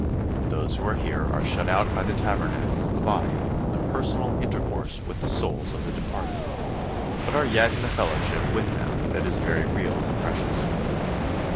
Those who are here are shut out by the tabernacle of the body from personal intercourse with the souls of the departed, but are yet in a fellowship with them that is very real and precious.